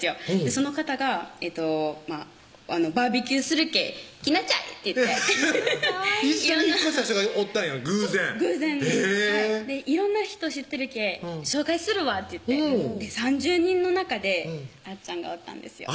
その方が「バーベキューするけぇ来なちゃい」って言って一緒に引っ越した人がおったんや偶然へぇ「色んな人知ってるけぇ紹介するわ」って言って３０人の中であっちゃんがおったんですよ